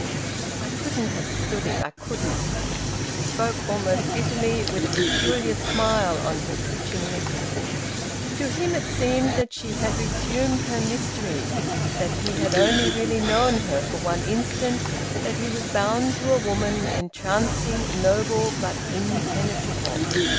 "I couldn't have stood it. I couldn't." She spoke almost bitterly, with a peculiar smile on her twitching lips. To him it seemed that she had resumed her mystery, that he had only really known her for one instant, that he was bound to a woman entrancing, noble, but impenetrable.